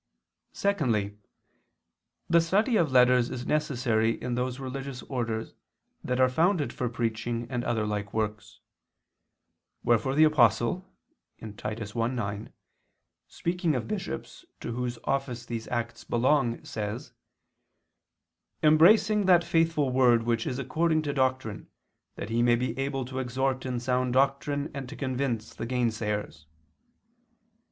Secondly, the study of letters is necessary in those religious orders that are founded for preaching and other like works; wherefore the Apostle (Titus 1:9), speaking of bishops to whose office these acts belong, says: "Embracing that faithful word which is according to doctrine, that he may be able to exhort in sound doctrine and to convince the gainsayers."